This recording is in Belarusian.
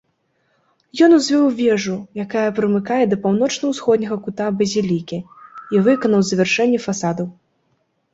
Ён узвёў вежу, якая прымыкае да паўночна-ўсходняга кута базілікі, і выканаў завяршэнне фасадаў.